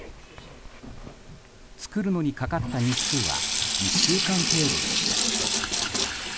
作るのにかかった日数は１週間程度でした。